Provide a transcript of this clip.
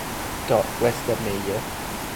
Dodd was the mayor.